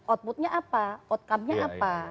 outputnya apa outcome nya apa